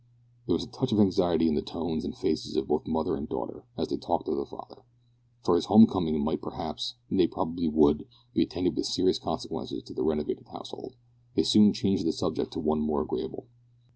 There was a touch of anxiety in the tones and faces of both mother and daughter as they talked of the father, for his home coming might, perhaps, nay probably would, be attended with serious consequences to the renovated household. They soon changed the subject to one more agreeable.